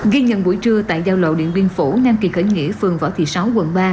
ghi nhận buổi trưa tại giao lộ điện biên phủ nam kỳ khởi nghĩa phường võ thị sáu quận ba